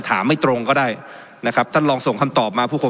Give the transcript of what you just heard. ถามให้ตรงก็ได้นะครับท่านลองส่งคำตอบมาพพูมผม